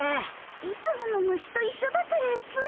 いつもの虫と一緒だからつい。